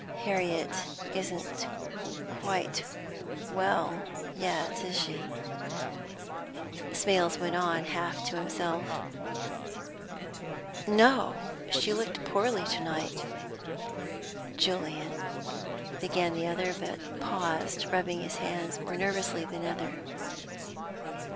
"Harriet isn't quite well yet, is she?" Smales went on, half to himself. "No, she looked poorly to night." "Julian," began the other, but paused, rubbing his hands more nervously than ever.